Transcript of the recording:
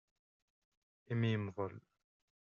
Imi yemdel.